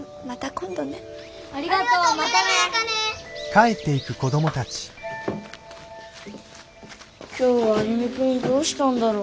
今日は歩君どうしたんだろう？